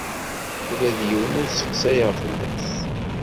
Ula d yiwen ur sseqsayeɣ fell-as.